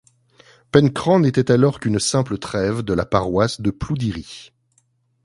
Pencran n'était alors qu'une simple trève de la paroisse de Ploudiry.